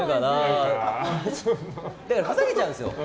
だからふざけちゃうんですよ。